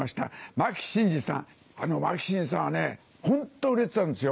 牧伸二さんはホント売れてたんですよ。